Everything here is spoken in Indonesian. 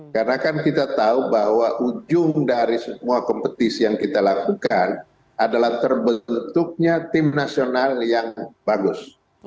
karena kan kita tahu bahwa ujung dari semua kompetisi yang kita lakukan adalah terbentuknya tim nasional yang bagus